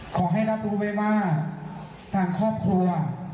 ขอให้รับรู้ไว้ว่าทางครอบครัว